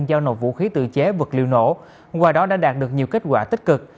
giao nộp vũ khí tự chế vật liệu nổ qua đó đã đạt được nhiều kết quả tích cực